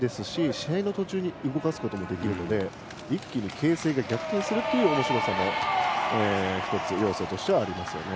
試合の途中に動かすこともできるので一気に形勢が逆転するというおもしろさも１つ要素としてはありますね。